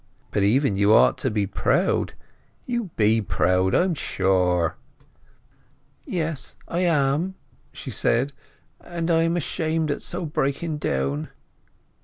But even you ought to be proud. You be proud, I'm sure!" "Yes, I am," she said; "and I am ashamed at so breaking down."